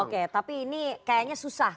oke tapi ini kayaknya susah